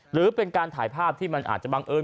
หรือเป็นการถ่ายภาพที่มันอาจจะบังเอิญ